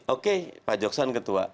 oke pak joksan ketua